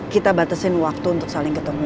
kita batasin waktu untuk saling ketemu